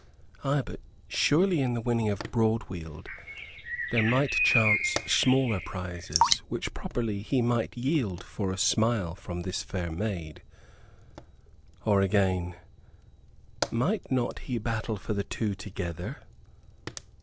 Ay: but surely in the winning of Broadweald there might chance smaller prizes, which properly he might yield for a smile from this fair maid? Or again, might not he battle for the two together?